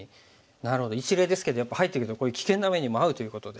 なるほど一例ですけどやっぱ入っていくとこういう危険な目にも遭うということで。